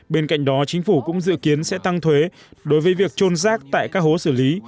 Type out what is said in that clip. bên cạnh đó chính phủ cũng dự kiến sẽ tăng thuế đối với việc trôn rác tại các hố xử lý